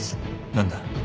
何だ？